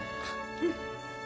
うん。